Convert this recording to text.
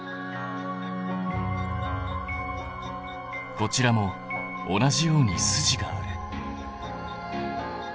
こちらも同じように筋がある。